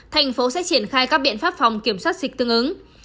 thành phố sẽ triển khai các biện pháp phòng kiểm soát dịch tương ứng